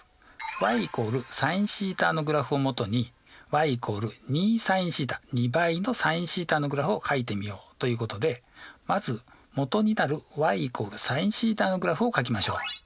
ｙ＝ｓｉｎθのグラフをもとにｙ＝２ｓｉｎθ２倍のｓｉｎθのグラフをかいてみようということでまずもとになるｙ＝ｓｉｎθのグラフをかきましょう。